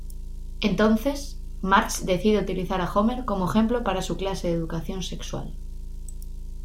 Entonces, Marge decide utilizar a Homer como ejemplo para su clase de educación sexual.